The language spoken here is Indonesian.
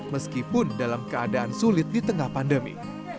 meskipun dalam keadaan sulit di tengah pandemi